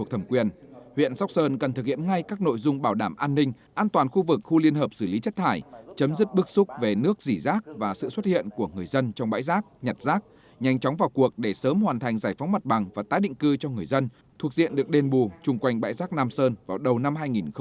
huyện sóc sơn cần thực hiện ngay các nội dung bảo đảm an ninh an toàn khu vực khu liên hợp xử lý chất thải chấm dứt bức xúc về nước dỉ rác và sự xuất hiện của người dân trong bãi rác nhặt rác nhanh chóng vào cuộc để sớm hoàn thành giải phóng mặt bằng và tái định cư cho người dân thuộc diện được đền bù chung quanh bãi rác nam sơn vào đầu năm hai nghìn hai mươi